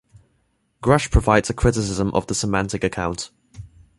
Grush provides a criticism of the semantic account.